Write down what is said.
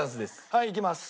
はいいきます。